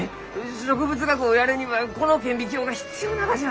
植物学をやるにはこの顕微鏡が必要ながじゃ。